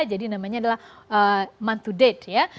jadi namanya adalah month to date ya